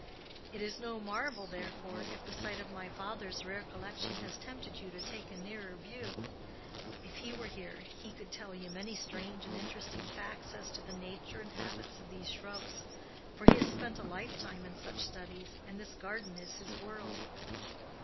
"It is no marvel, therefore, if the sight of my father's rare collection has tempted you to take a nearer view. If he were here, he could tell you many strange and interesting facts as to the nature and habits of these shrubs; for he has spent a lifetime in such studies, and this garden is his world."